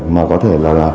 mà có thể là